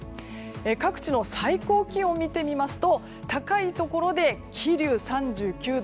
各地の最高気温を見てみますと高いところで桐生、３９度。